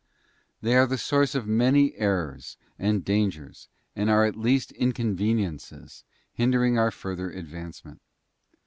They are the source of many errors and dangers, and are at least inconveniences, hindering our further advancement.